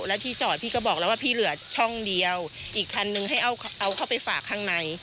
แล้วที่จอดพี่ก็บอกแล้วว่าพี่เหลือช่องเดียวอีกคันนึงให้เอาเข้าไปฝากข้างใน